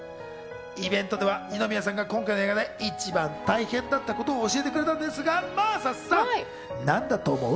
イベントでは二宮さんが今回の映画で一番大変だったことを教えてくれたんですが、真麻さん、なんだと思う？